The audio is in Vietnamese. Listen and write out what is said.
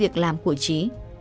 việc làm của trí